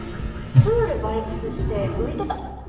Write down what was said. プールバイブスして浮いてた。